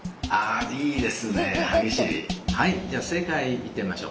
はいじゃあ正解いってみましょう。